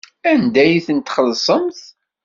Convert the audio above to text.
Anda ay tent-txellṣemt?